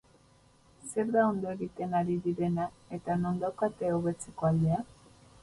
Zer da ondo egiten ari direna eta non daukate hobetzeko aldea?